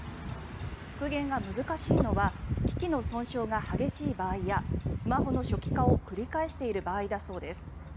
復元が難しいのは機器の損傷が激しい場合やスマホの初期化を繰り返している場合だといいます。